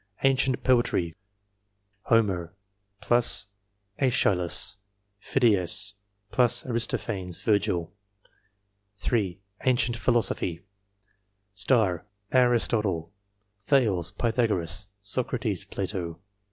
Ancient poetry ... HOMER, *JEschylus, Phidias, *Aristophanes, Virgil. 3. Ancient philosophy . ARISTOTLE, Thales, Pythagoras, Socrates, Plato.